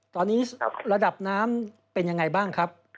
ตอนนี้ระดับน้ำเป็นยังไงบ้างครับ